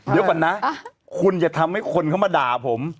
เดี๋ยวก่อนนะคุณอย่าทำให้คนเข้ามาด่าผม